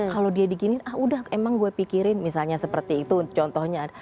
kalau dia digini ah udah emang gue pikirin misalnya seperti itu contohnya